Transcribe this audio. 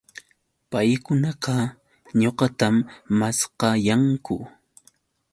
Paykunaqa ñuqatam maskayanku